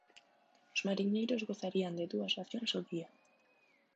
Os mariñeiros gozarían de dúas racións ao día.